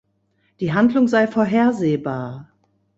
Die Handlung sei vorhersehbar.